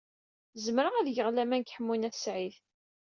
Zemreɣ ad geɣ laman deg Ḥemmu n At Sɛid.